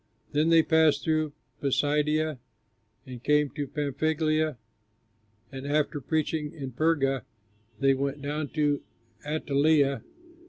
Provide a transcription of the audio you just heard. Then they passed through Pisidia and came to Pamphylia, and after preaching in Perga, they went down to Attaleia.